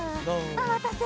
おまたせ。